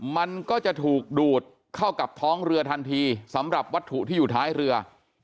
มันก็จะถูกดูดเข้ากับท้องเรือทันทีสำหรับวัตถุที่อยู่ท้ายเรือ